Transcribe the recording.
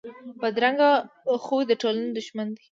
بدرنګه خوی د ټولنې دښمن وي